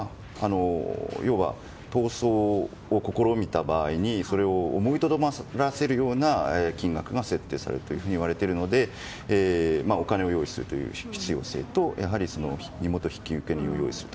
要は逃走を試みた場合にそれを思いとどまらせるような金額が設定されているといわれているのでお金を用意する必要性と身元引受人を用意する。